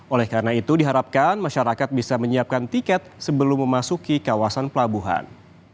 oleh karena itu diharapkan masyarakat bisa menyiapkan tiket sebelum memasuki kawasan pelabuhan